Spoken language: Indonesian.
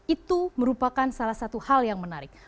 itu merupakan salah satu hal yang menarik